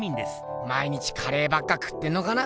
毎日カレーばっか食ってんのかな。